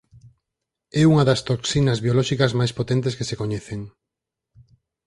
É unha das toxinas biolóxicas máis potentes que se coñecen.